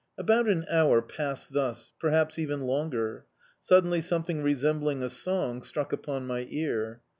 About an hour passed thus, perhaps even longer. Suddenly something resembling a song struck upon my ear.